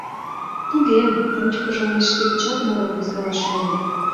— Туге, ончыкыжым мый шке гычат мурым возкалаш шонем.